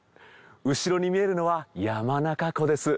後ろに見えるのは山中湖です。